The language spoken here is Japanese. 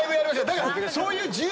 だからそういう。